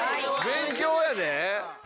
勉強やで。